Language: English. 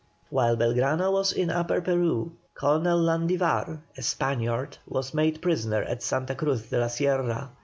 While Belgrano was in Upper Peru, Colonel Landivar, a Spaniard, was made prisoner at Santa Cruz de la Sierra.